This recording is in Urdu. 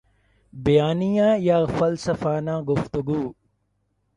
بیانیہ یا فلسفانہ گفتگو